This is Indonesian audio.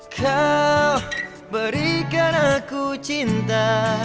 kau berikan aku cinta